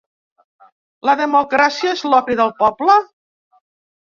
La democràcia és l’opi del poble?